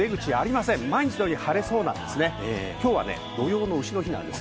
きょうはね、土用の丑の日なんですよ。